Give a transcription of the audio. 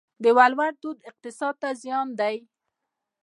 د ولور دود اقتصاد ته زیان دی؟